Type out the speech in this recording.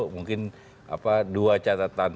mungkin dua catatan